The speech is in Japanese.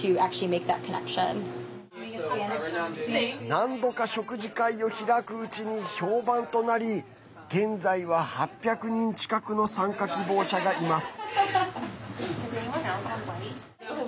何度か食事会を開くうちに評判となり現在は８００人近くの参加希望者がいます。